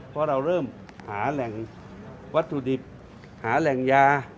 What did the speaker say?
เพราะเราเริ่มหาแหล่งวัตถุดิบหาแหล่งยา